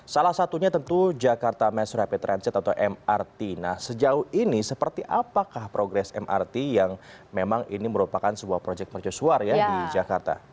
salah satunya tentu jakarta mass rapid transit atau mrt nah sejauh ini seperti apakah progres mrt yang memang ini merupakan sebuah proyek mercusuar ya di jakarta